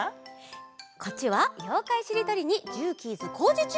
こっちは「ようかいしりとり」に「ジューキーズこうじちゅう！」。